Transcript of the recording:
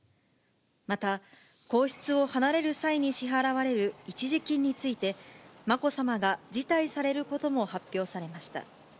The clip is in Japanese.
また皇室を離れる際に支払われる一時金について、まこさまが辞退されることも発表されました。